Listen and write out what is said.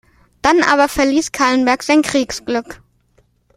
Dann aber verließ Callenberg sein Kriegsglück.